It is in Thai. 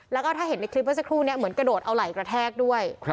แล้วก็ถ้าเห็นในคลิปเมื่อสักครู่นี้เหมือนกระโดดเอาไหล่กระแทกด้วย